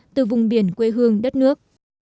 từ vùng biển quê hương đất nước